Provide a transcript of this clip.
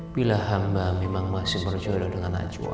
bila hamba memang masih berjodoh dengan acuan